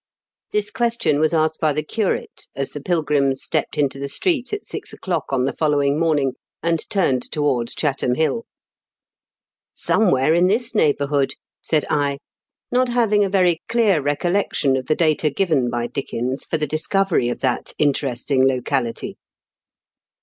" This question was asked by the curate as the pUgrims stepped into the street at six o'clock on the following morning, and turned towards Chatham Hill. " Somewhere in this neighbourhood," said I, not having a very clear recollection of the data given by Dickens for the discovery of that interesting locality.